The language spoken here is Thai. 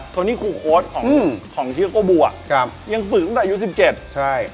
โทนิคลูโคสต์ของเฮียโกบูอ่ะยังฝึกตั้งแต่ยุค๑๗ใช่